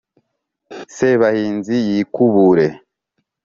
sebahinzi yikubure